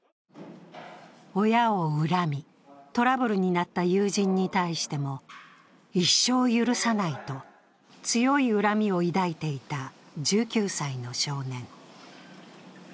親を恨み、トラブルになった友人に対しても一生許さないと、強い恨みを抱いていた、１９歳の少年。